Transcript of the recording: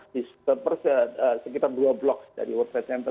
di sekitar dua blok dari world trade center